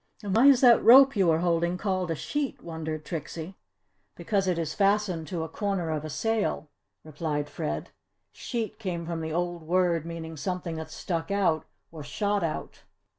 "And why is that rope you are holding called a 'sheet'?" wondered Trixie. "Because it is fastened to a corner of a sail," replied Fred. "Sheet came from the old word meaning something that stuck out, or shot out.